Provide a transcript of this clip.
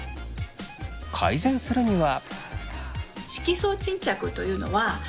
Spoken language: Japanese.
改善するには。